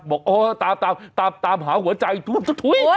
บอกตามหาหัวใจถุ้ย